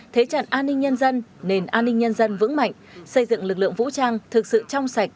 thế trận an ninh nhân dân nền an ninh nhân dân vững mạnh xây dựng lực lượng vũ trang thực sự trong sạch